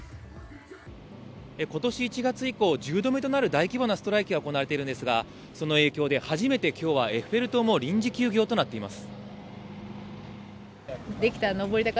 今年１月以降、１０度目となる大規模なストライキが行われているんですが、その影響で初めて、今日はエッフェル塔も臨時休業となっています。